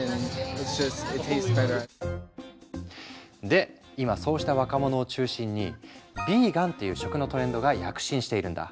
で今そうした若者を中心にヴィーガンっていう食のトレンドが躍進しているんだ。